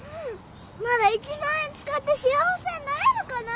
まだ１万円使って幸せになれるかな？